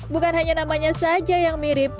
bukan hanya namanya saja yang mirip